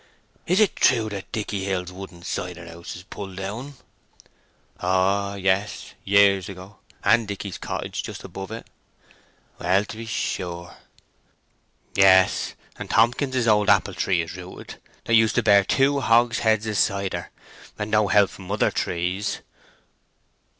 "Is it true that Dicky Hill's wooden cider house is pulled down?" "Oh yes—years ago, and Dicky's cottage just above it." "Well, to be sure!" "Yes; and Tompkins's old apple tree is rooted that used to bear two hogsheads of cider; and no help from other trees."